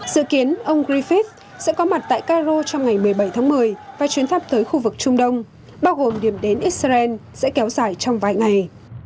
dự kiến ông griffith sẽ có mặt tại cairo trong ngày một mươi bảy tháng một mươi và chuyến thăm tới khu vực trung đông bao gồm điểm đến israel sẽ kéo dài trong vài ngày